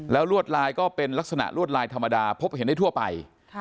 แล้วลวดลายก็เป็นลักษณะลวดลายธรรมดาพบเห็นได้ทั่วไป